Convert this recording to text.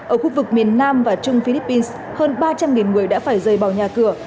ở khu vực miền nam và trung philippines hơn ba trăm linh người đã phải rời bỏ nhà cửa